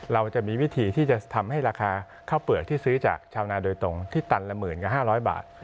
เราจะมีวิธีที่จะทำให้ราคาข้าวเปลือกที่ซื้อจากชาวนาโดยตรงที่ตันละหมื่นกับ๕๐๐บาท